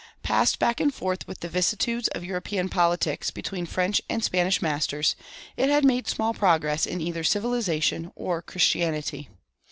Passed back and forth with the vicissitudes of European politics between French and Spanish masters, it had made small progress in either civilization or Christianity.